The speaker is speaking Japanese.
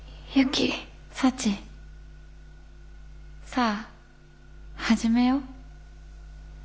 さあ始めよう。